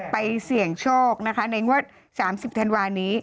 ไปเสี่ยงโชคนะคะในงวด๓๐ธันวานี้